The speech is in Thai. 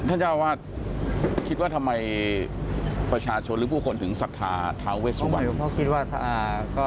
เจ้าอาวาสคิดว่าทำไมประชาชนหรือผู้คนถึงศรัทธาท้าเวสวรรณ